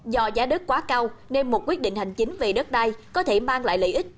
do giá đất quá cao nên một quyết định hành chính về đất đai có thể mang lại lợi ích